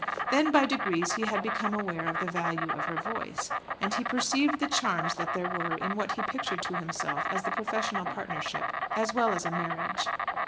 Then, by degrees, he had become aware of the value of her voice, and he perceived the charms that there were in what he pictured to himself as a professional partnership as well as a marriage.